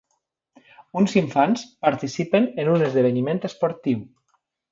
Uns infants participant en un esdeveniment esportiu.